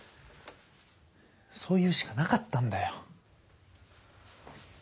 そう言うしかなかったんだよ。